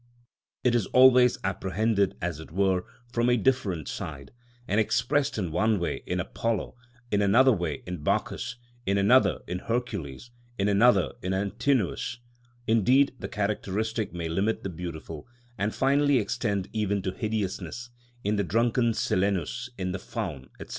It is always apprehended, as it were, from a different side, and expressed in one way in Apollo, in another way in Bacchus, in another in Hercules, in another in Antinous; indeed the characteristic may limit the beautiful, and finally extend even to hideousness, in the drunken Silenus, in the Faun, &c.